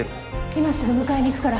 今すぐ迎えに行くから。